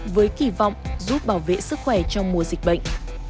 với kỳ vọng giúp bảo vệ sức khỏe trong mùa dịch bệnh